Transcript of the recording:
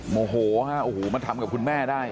โมโหฮะโอ้โหมาทำกับคุณแม่ได้